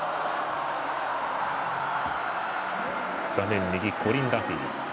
画面右、コリン・ダフィー。